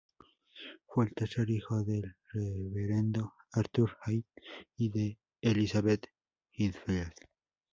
Fue el tercer hijo del reverendo Arthur Hyde y de Elizabeth Oldfield.